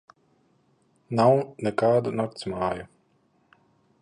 Nav nekādu naktsmāju.